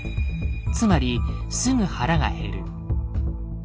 つまりすぐ腹が減る。